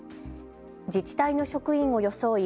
自治体の職員を装い